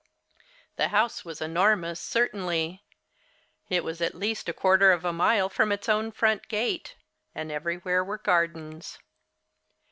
The house was enormous, certainly. It was at least a quarter of a mile from its own front gate and everywhere were gardens.